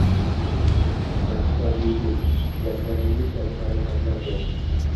Naqshbandiylik, yassaviylik kabi tariqatlar bor.